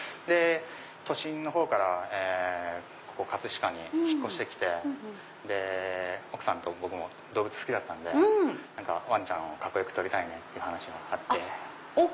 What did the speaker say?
都心のほうから飾に引っ越して来て奥さんと僕動物好きだったんでワンちゃんをカッコよく撮りたいねって話があって。